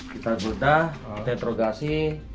kita gudah detrogasi